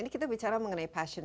ini kita bicara mengenai passion